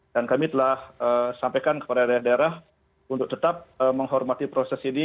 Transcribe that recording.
dan kami telah sampaikan kepada daerah daerah untuk tetap menghormati proses ini